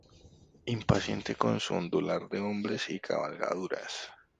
impaciente con su ondular de hombres y cabalgaduras.